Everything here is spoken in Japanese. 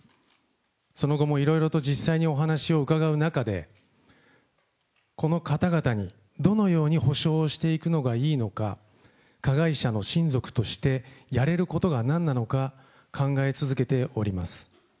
その後もいろいろと実際にお話を伺う中で、この方々にどのように補償をしていくのがいいのか、加害者の親族としてやれることはなんなのか考え続けております。